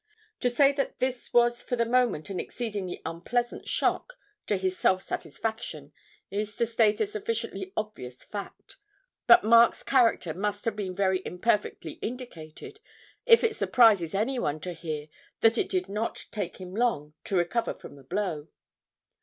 To say that this was for the moment an exceedingly unpleasant shock to his self satisfaction is to state a sufficiently obvious fact; but Mark's character must have been very imperfectly indicated if it surprises anyone to hear that it did not take him long to recover from the blow.